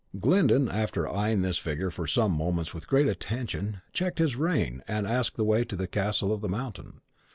Glyndon, after eyeing this figure for some moments with great attention, checked his rein, and asked the way to the "Castle of the Mountain."